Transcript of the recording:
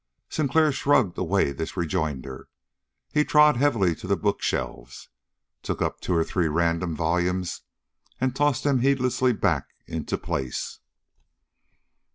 Sinclair shrugged away this rejoinder. He trod heavily to the bookshelves, took up two or three random volumes, and tossed them heedlessly back into place.